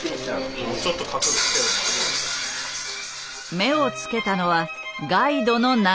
目をつけたのはガイドの長さ。